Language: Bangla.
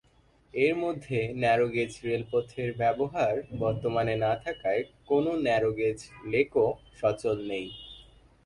এর মধ্যে ন্যারো-গেজ রেলপথের ব্যবহার বর্তমানে না থাকায় কোনো ন্যারো-গেজ লোকো সচল নেই।